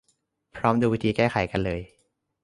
พร้อมดูวิธีแก้ไขกันเลย